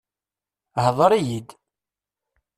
Hḍeṛ-iyi-d!